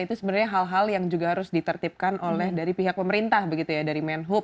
itu sebenarnya hal hal yang juga harus ditertipkan oleh dari pihak pemerintah begitu ya dari menhub